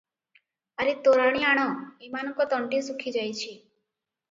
ଆରେ ତୋରାଣି ଆଣ, ଏମାନଙ୍କ ତଣ୍ଟି ଶୁଖିଯାଇଛି ।